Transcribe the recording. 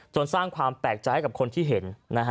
สร้างความแปลกใจให้กับคนที่เห็น